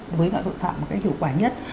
với loại độc phạm một cách hiệu quả nhất